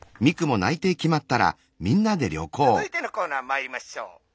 「続いてのコーナーまいりましょう。